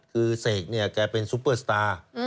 คือเสกเนี่ยแกเป็นซุปเปอร์สตาร์